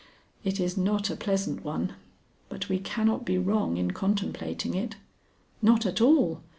"It is not a pleasant one, but we cannot be wrong in contemplating it." "Not at all.